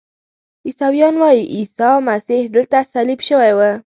عیسویان وایي عیسی مسیح دلته صلیب شوی و.